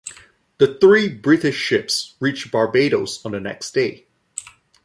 The three British ships reached Barbados on the next day.